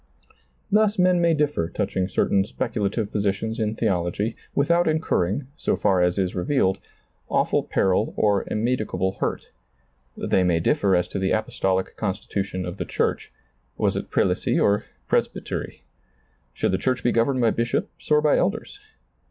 Thus men may differ touching certain speculative positions in theology without incur ring, so far as is revealed, awful peril or immed icable hurt. They may differ as to the apostolic constitution of the church — was it prelacy or pres bytery ? Should the church be governed by bishops or by elders